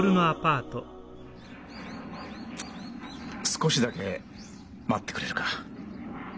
少しだけ待ってくれるか？